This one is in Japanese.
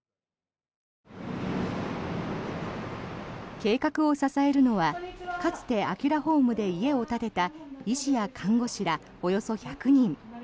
計画を支えるのはかつてアキュラホームで家を建てた医師や看護師らおよそ１００人。